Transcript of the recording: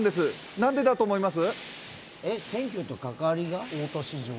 何でだと思います？